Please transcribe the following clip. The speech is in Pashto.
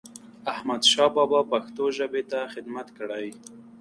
احمدشاه بابا پښتو ژبې ته خدمت کړی.